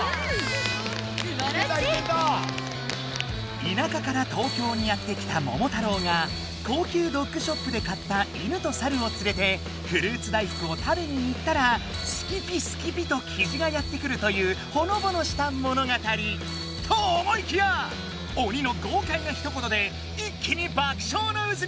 いなかから東京にやって来た桃太郎が高級ドッグショップで買ったイヌとサルをつれてフルーツ大福を食べに行ったら「すきぴすきぴ！」とキジがやって来るというほのぼのした物語と思いきや鬼のごうかいなひと言で一気に爆笑のうずに！